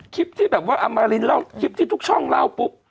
คลิปที่แบบว่าอมรินเล่าคลิปที่ทุกช่องเล่าปุ๊บ